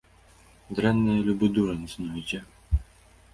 Дрэннае любы дурань знойдзе.